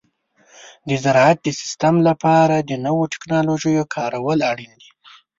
د زراعت د سیستم لپاره د نوو تکنالوژیو کارول اړین دي.